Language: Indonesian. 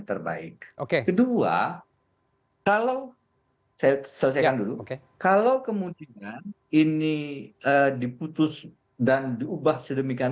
terbaik oke kedua kalau saya selesaikan dulu oke kalau kemudian ini diputus dan diubah sedemikian